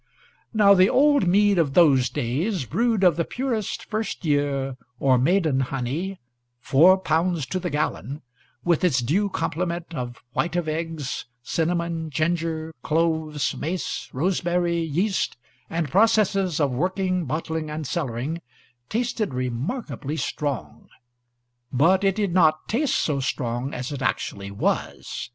Now the old mead of those days, brewed of the purest first year or maiden honey, four pounds to gallon, with its due complement of whites of eggs, cinnamon, ginger, cloves, mace, rosemary, yeast, and processes of working, bottling, and cellaring, tasted remarkably strong; but it did not taste so strong as it actually was.